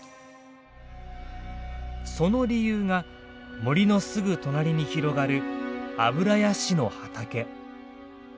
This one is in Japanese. その理由が森のすぐ隣に広がるアブラヤシの畑。